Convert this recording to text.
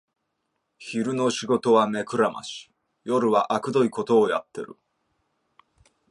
昼の仕事は目くらまし、夜はあくどいことをやってる